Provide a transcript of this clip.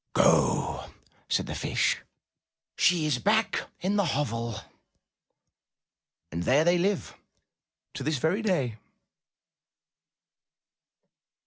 ''Go!" said the Fish. "She is back in the hovel." And there they live to this very day.